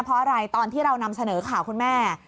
เพราะอะไรตอนที่เรานำเสนอข่าวคุณแม่